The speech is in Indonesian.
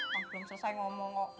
yang belum selesai ngomong kok